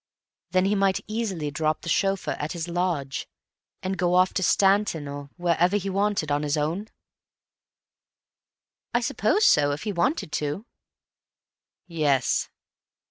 "Then he might easily drop the chauffeur at his lodge and go off to Stanton, or wherever he wanted to, on his own?" "I suppose so—if he wanted to." "Yes."